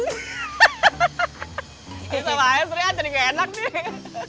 bisa lah ya sri atau gak enak nih